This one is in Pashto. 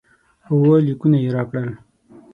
اووه لیکونه یې راکړل.